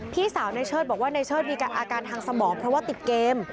พี่สาวในเชิดบอกว่าในเชิดมีอาการทางสมองเพราะว่าติดเกม